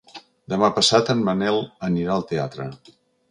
Demà passat en Manel anirà al teatre.